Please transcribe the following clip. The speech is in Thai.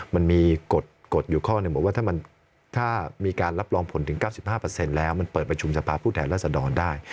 มันมีกฎอยู่ข้อหนึ่งบอกว่าถ้ามีการรับรองผลถึง๙๕แล้วมันเปิดประชุมสภาพผู้แทนรัศดรได้